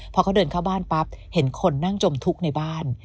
พอเขาเดินเข้าบ้านปั๊บเห็นคนนั่งจมทุกข์ในบ้าน